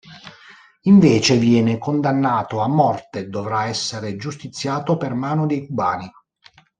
Invece, viene condannato a morte e dovrà essere giustiziato per mano dei cubani.